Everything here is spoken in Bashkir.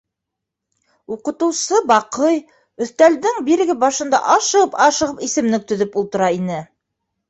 Уҡытыусы Баҡый өҫтәлдең бирге башында ашығып-ашығып исемлек төҙөп ултыра ине.